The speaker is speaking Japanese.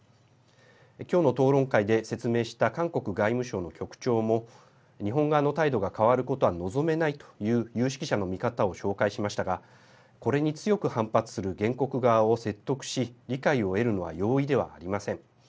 今日の討論会で説明した韓国外務省の局長も日本側の態度が変わることは望めないという有識者の見方を紹介しましたがこれに強く反発する原告側を説得し理解を得るのは容易ではありません。